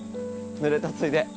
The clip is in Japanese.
ぬれたついで。